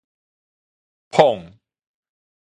捧